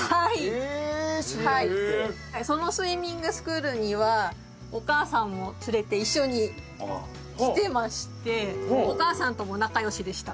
そのスイミングスクールにはお母さんも連れて一緒に来てましてお母さんとも仲良しでした。